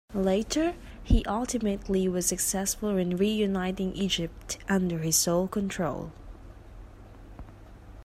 Later, he ultimately was successful in reuniting Egypt under his sole control.